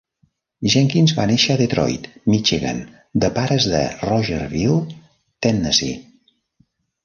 Jenkins va néixer a Detroit, Michigan de pares de Rogersville, Tennessee.